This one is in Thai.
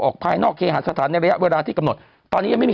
ภายนอกเคหาสถานในระยะเวลาที่กำหนดตอนนี้ยังไม่มี